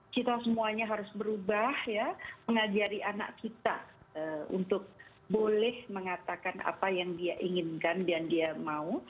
kita semuanya harus berubah ya mengajari anak kita untuk boleh mengatakan apa yang dia inginkan dan dia mau